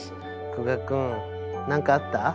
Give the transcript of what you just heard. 久我君何かあった？